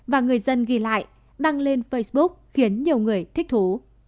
và người dân ghi lại đăng lên facebook khiến nhiều người thích thú